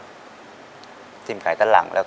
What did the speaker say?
ปิดเท่าไหร่ก็ได้ลงท้ายด้วย๐เนาะ